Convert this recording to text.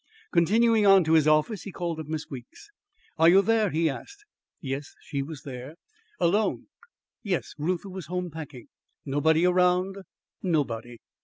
Continuing on to his office, he called up Miss Weeks. "Are you there?" he asked. Yes, she was there. "Alone?" Yes, Reuther was home packing. "Nobody around?" Nobody.